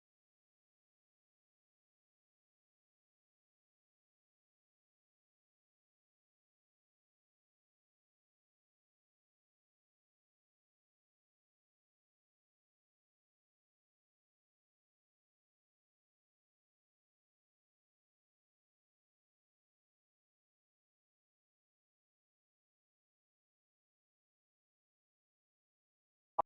โปรดติดตามต่อไป